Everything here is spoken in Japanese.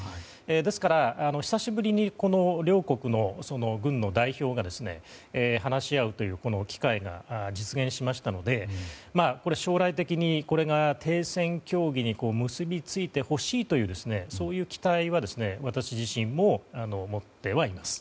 ですから、久しぶりに両国の軍の代表が話し合うという機会が実現しましたので将来的にこれが停戦協議に結びついてほしいというそういう期待は私自身も持ってはいます。